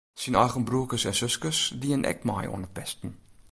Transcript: Syn eigen broerkes en suskes dienen ek mei oan it pesten.